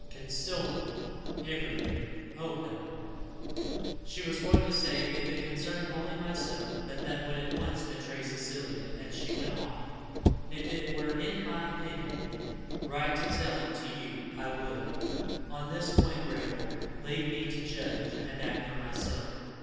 concealment everything Oh! Helen " She was going to say, "If it concerned only myself," but that would at once betray Cecilia, and she went on. "If it were in my opinion right to tell it to you, I would. On this point, Granville, leave me to judge and act for myself.